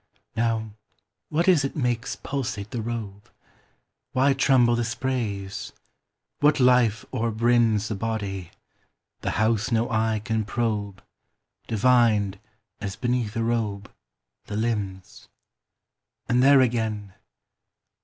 Now, what is it makes pulsate the robe? Why tremble the sprays? What life o'erbrims 10 The body, the house no eye can probe, Divined, as beneath a robe, the limbs? And there again!